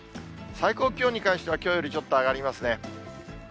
最高気温に関してはきょうよりちょっと上がりますね。